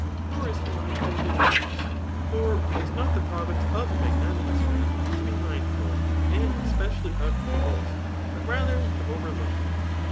^^^^ i* ^^ mindful of usuries ; for it is Bot the province of a magnanimous man to be mindfnli and espedafiy of evib ; but rather to overlook diem.